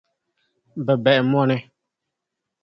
Bɛ bahi mɔni.